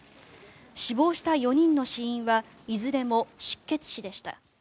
死亡した４人の死因はいずれも失血死でした。